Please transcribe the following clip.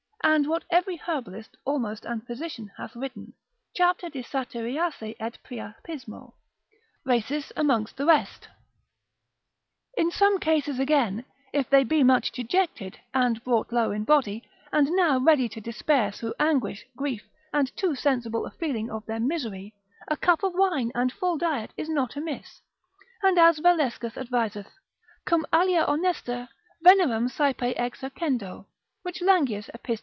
and what every herbalist almost and physician hath written, cap. de Satyriasi et Priapismo; Rhasis amongst the rest. In some cases again, if they be much dejected, and brought low in body, and now ready to despair through anguish, grief, and too sensible a feeling of their misery, a cup of wine and full diet is not amiss, and as Valescus adviseth, cum alia honesta venerem saepe exercendo, which Langius epist.